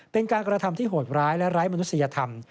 เป็นการกระทำที่โหดร้ายและไร้มนุษยธรรม